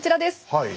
はい。